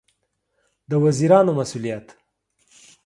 د وزیرانو مسوولیت